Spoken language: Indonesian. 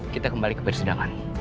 kita kembali ke bersedangan